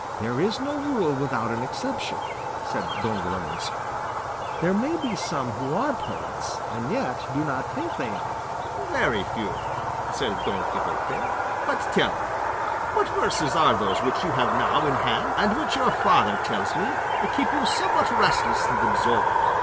"There is no rule without an exception," said Don Lorenzo; "there may be some who are poets and yet do not think they are." "Very few," said Don Quixote; "but tell me, what verses are those which you have now in hand, and which your father tells me keep you somewhat restless and absorbed?